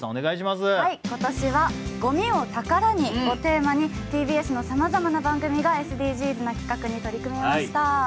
今年は「ごみを宝に」をテーマにＴＢＳのさまざまな番組がＳＤＧｓな企画に取り組みました。